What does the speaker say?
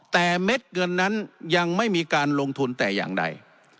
แต่เม็ดเงินนั้นยังไม่มีการลงทุนแต่อย่างใด